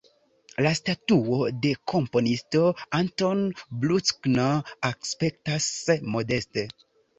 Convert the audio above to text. La statuo de komponisto Anton Bruckner aspektas modeste.